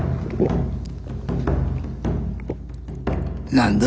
何だ？